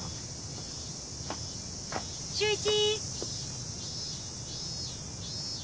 秀一。